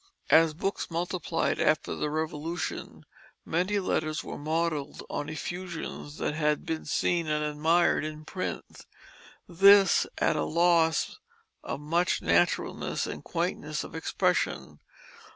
As books multiplied after the Revolution, many letters were modelled on effusions that had been seen and admired in print: this at a loss of much naturalness and quaintness of expression.